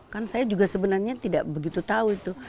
kan saya juga sebenarnya tidak begitu tahu itu